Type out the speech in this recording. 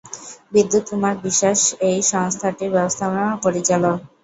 বিদ্যুত কুমার বিশ্বাস এই সংস্থাটির ব্যবস্থাপনা পরিচালক।